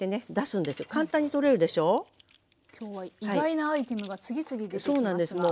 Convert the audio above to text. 今日は意外なアイテムが次々出てきますが。